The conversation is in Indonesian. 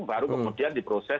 baru kemudian diproses